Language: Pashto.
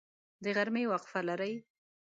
د غرمې وقفه لرئ؟